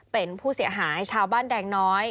เป็นผู้เสียหายชาวบ้านแดงน้อย